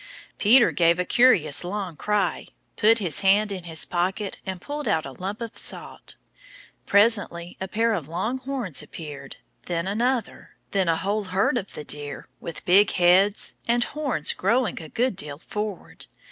Peder gave a curious long cry, put his hand in his pocket, and pulled out a lump of salt. Presently, a pair of long horns appeared, then another, then a whole herd of the deer with big heads and horns growing a good deal forward.